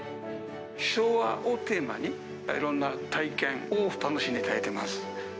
昭和をテーマに、いろんな体験を楽しんでいただけます。